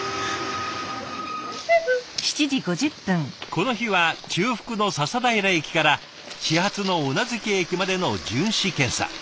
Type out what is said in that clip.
この日は中腹の笹平駅から始発の宇奈月駅までの巡視検査。